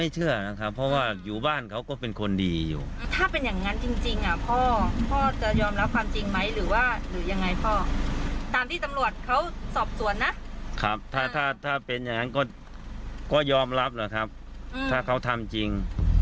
ถ้าเขาทำจริง